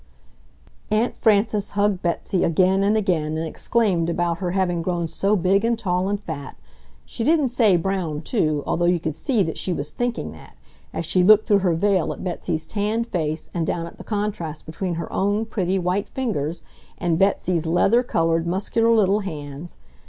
Aunt Frances hugged Betsy again and again and exclaimed about her having grown so big and tall and fat—she didn't say brown too, although you could see that she was thinking that, as she looked through her veil at Betsy's tanned face and down at the contrast between her own pretty, white fingers and Betsy's leather colored, muscular little hands.